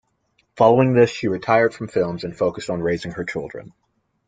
Following this, she retired from films and focused on raising her children.